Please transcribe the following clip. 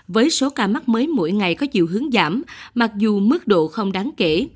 với số ca mắc mới mỗi ngày có chiều hướng giảm mặc dù mức độ không đáng kể